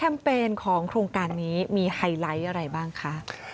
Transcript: เปญของโครงการนี้มีไฮไลท์อะไรบ้างคะ